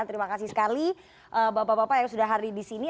terima kasih sekali bapak bapak yang sudah hari di sini